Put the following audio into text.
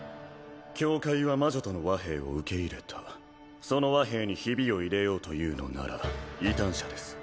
教会は魔女との和平を受け入れたその和平にヒビを入れようというのなら異端者です